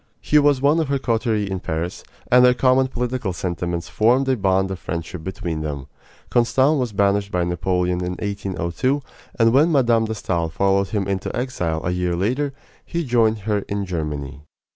He was one of her coterie in Paris, and their common political sentiments formed a bond of friendship between them. Constant was banished by Napoleon in 1802, and when Mme. de Stael followed him into exile a year later he joined her in Germany.